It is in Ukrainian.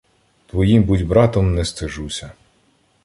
Твоїм буть братом не стижуся